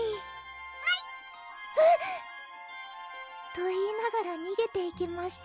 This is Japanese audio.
「と言いながらにげていきました」